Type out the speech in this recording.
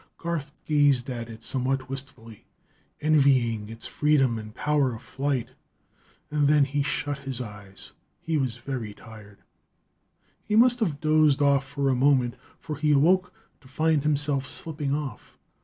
Garth gazed at it somewhat wistfully, envying its freedom and power of flight. And then he shut his eyes. He was very tired.... He must have dozed off for a moment, for he awoke to find himself slipping off.